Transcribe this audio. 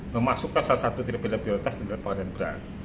memasukkan salah satu tipe tipe prioritas dalam pengadilan berat